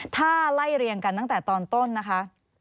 ถ้าไล่เรียงกันตั้งแต่ตอนต้นนะคะ